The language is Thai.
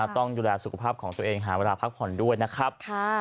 ต้องดูแลสุขภาพของตัวเองหาเวลาพักผ่อนด้วยนะครับ